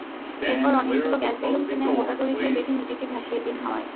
এরপর অনেকগুলো গ্যাসবেলুন কিনে মোটা দড়ি দিয়ে বেঁধে নিজেকে ভাসিয়ে দিন হাওয়ায়।